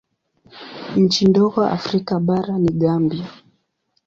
Nchi ndogo Afrika bara ni Gambia.